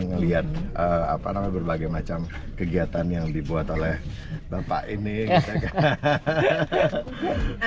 ngeliat berbagai macam kegiatan yang dibuat oleh bapak ini gitu kan